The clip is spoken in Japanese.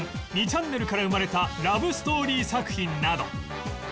ちゃんねるから生まれたラブストーリー作品など